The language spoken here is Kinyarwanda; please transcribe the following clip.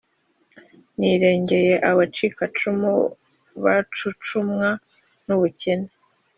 Nirengere abacikacumu Bacucumwa n’ubukene !